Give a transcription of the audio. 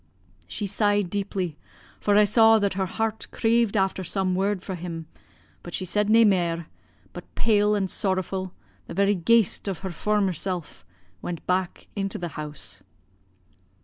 "She sighed deeply, for I saw that her heart craved after some word fra' him, but she said nae mair, but pale an' sorrowfu', the very ghaist o' her former sel', went back into the house.